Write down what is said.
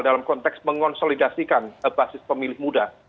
dalam konteks mengonsolidasikan basis pemilih muda